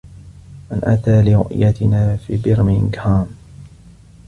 من أتى لرؤيتنا في برمنجهام؟